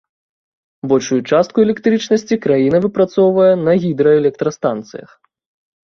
Большую частку электрычнасці краіна выпрацоўвае на гідраэлектрастанцыях.